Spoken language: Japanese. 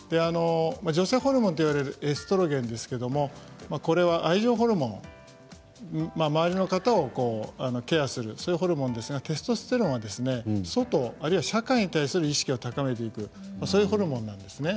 女性ホルモンといわれるエストロゲンですけれどもこれは愛情ホルモン周りの方をケアするそういうホルモンですがテストステロンは外あるいは社会に対する意識を高めていくホルモンなんです。